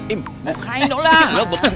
ibu kain doang